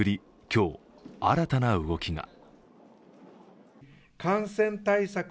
今日、新たな動きが。